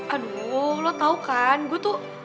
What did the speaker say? aduh lo tau kan gue tuh